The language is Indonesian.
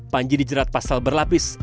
panji dijerat pasal berlapis